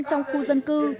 trong khu dân cư